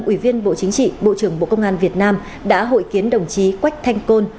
ủy viên bộ chính trị bộ trưởng bộ công an việt nam đã hội kiến đồng chí quách thanh côn